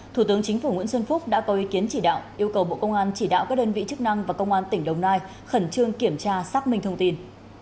thủ tướng chính phủ nguyễn xuân phúc đã có ý kiến chỉ đạo yêu cầu bộ công an chỉ đạo các đơn vị chức năng và công an tỉnh đồng nai khẩn trương kiểm tra xác minh thông tin